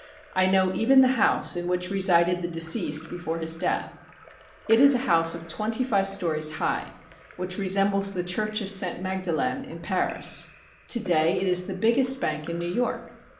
I know even the house in which resided the deceased before his death. It is a house of twenty five stories high, which resembles the Church of Saint Magdalene in Paris. To day it is the biggest bank in New York.